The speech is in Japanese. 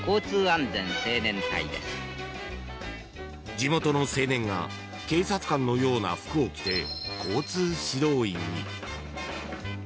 ［地元の青年が警察官のような服を着て交通指導員に］